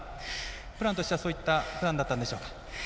プランとしてはそういったプランだったんでしょうか？